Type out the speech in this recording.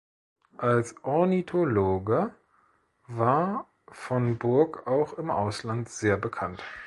Als Ornithologe war von Burg auch im Ausland sehr bekannt.